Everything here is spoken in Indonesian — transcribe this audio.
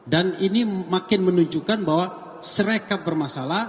dan ini makin menunjukkan bahwa syrekap bermasalah